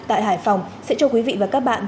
tại hải phòng sẽ cho quý vị và các bạn